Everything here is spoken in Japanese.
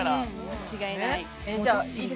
間違いない。